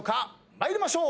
参りましょう。